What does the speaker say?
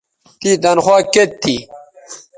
تیں تنخوا کیئت تھی